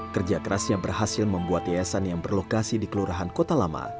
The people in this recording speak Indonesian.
kerja kerasnya berhasil membuat yayasan yang berlokasi di kelurahan kota lama